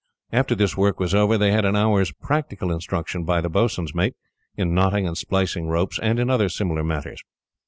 After this work was over, they had an hour's practical instruction by the boatswain's mate, in knotting and splicing ropes, and in other similar matters.